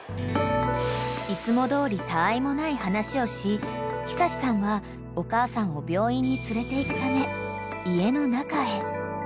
［いつもどおりたわいもない話をし久司さんはお母さんを病院に連れていくため家の中へ］